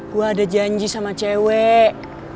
gue ada janji sama cewek